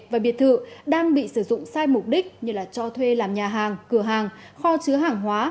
và biệt thự đang bị sử dụng sai mục đích như cho thuê làm nhà hàng cửa hàng kho chứa hàng hóa